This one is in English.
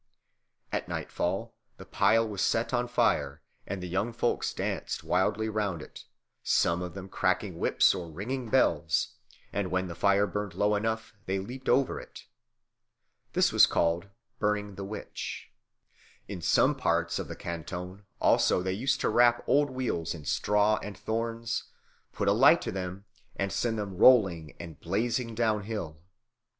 At nightfall the pile was set on fire, and the young folks danced wildly round it, some of them cracking whips or ringing bells; and when the fire burned low enough, they leaped over it. This was called "burning the witch." In some parts of the canton also they used to wrap old wheels in straw and thorns, put a light to them, and send them rolling and blazing down hill.